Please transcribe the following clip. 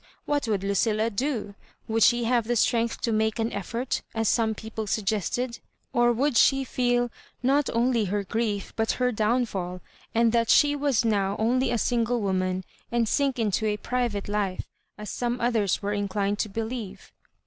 What would Lucilla do ? Would she have strength to "make an effort," as some people suggested; or would she feel not only bQf grief, but her downfall, and that she was now only a single woman, and sink into a private life, as some others were inclined to believe.